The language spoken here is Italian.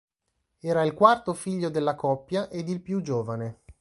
Era il quarto figlio della coppia ed il più giovane.